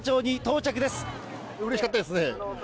うれしかったですね。